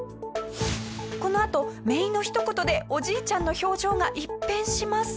このあと姪のひと言でおじいちゃんの表情が一変します。